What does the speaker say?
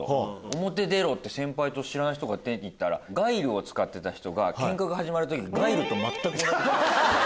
表出ろ！って先輩と知らない人が出てったらガイルを使ってた人がケンカが始まる時。